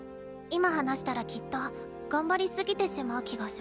今話したらきっと頑張りすぎてしまう気がします。